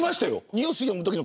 ニュース読むとき